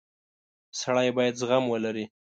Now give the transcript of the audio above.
• سړی باید زغم ولري.